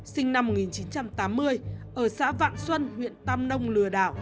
sinh năm một nghìn chín trăm tám mươi ở xã vạn xuân huyện tam nông lừa đảo